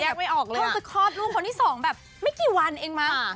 เข้าไปครอบรูปคนที่สองแบบไม่กี่วันเองมั้ง